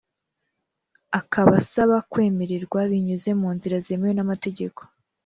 Akaba asaba kwemererwa binyuze mu nzira zemewe n’amategeko